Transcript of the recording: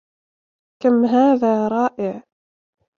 كم هذا رائع.